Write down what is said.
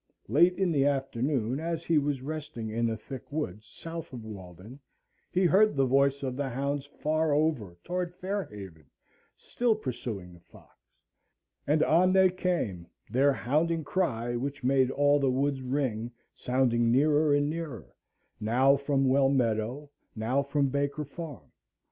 Late in the afternoon, as he was resting in the thick woods south of Walden, he heard the voice of the hounds far over toward Fair Haven still pursuing the fox; and on they came, their hounding cry which made all the woods ring sounding nearer and nearer, now from Well Meadow, now from the Baker Farm.